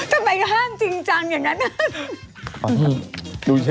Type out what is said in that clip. ทำไมงานจริงจังอย่างนั้นดูเฉย